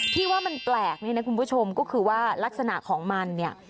ที่ว่ามันแปลกนี่นะคุณผู้ชมก็คือว่ารักษณะของมันเนี่ย